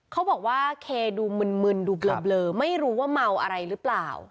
เขาบอกว่าเคดูมึนดูเบลอไม่รู้ว่าเมาอะไรหรือเปล่า